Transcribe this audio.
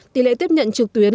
tỷ lệ tiếp nhận trực tuyến